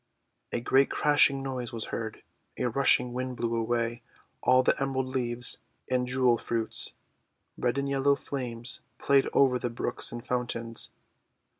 A great crashing noise was heard. A rushing Wind blew away all the emerald leaves and jewel fruits. Red and yellow flames played over the brooks and fountains.